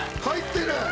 入ってる！